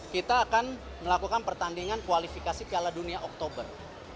kita akan melakukan pertandingan kualifikasi piala dunia oktober